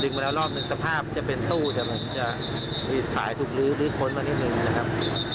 ดึงมาแล้วรอบหนึ่งสภาพจะเป็นตู้จะมีสายถูกลื้อลื้อพ้นมานิดหนึ่งนะครับ